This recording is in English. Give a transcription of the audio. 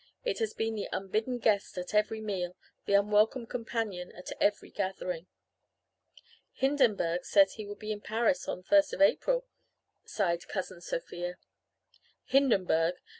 It has been the unbidden guest at every meal, the unwelcome companion at every gathering.' "'Hindenburg says he will be in Paris on 1st April,' sighed Cousin Sophia. "'Hindenburg!'